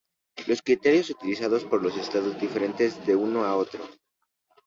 Los criterios utilizados por los estados difieren de uno a otro.